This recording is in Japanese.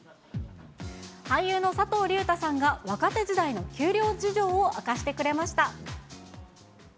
俳優の佐藤隆太さんが、若手時代の給料事情を明かしてくれました。